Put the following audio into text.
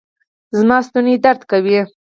زما ستونی درد کوي